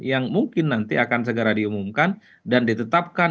yang mungkin nanti akan segera diumumkan dan ditetapkan